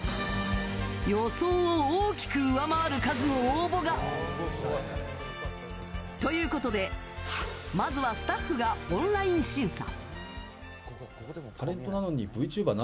予想を大きく上回る数の応募が。ということで、まずはスタッフがオンライン審査。